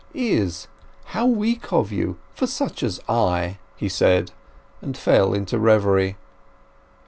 "Izz!—how weak of you—for such as I!" he said, and fell into reverie.